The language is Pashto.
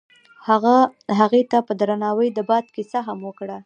هغه هغې ته په درناوي د باد کیسه هم وکړه.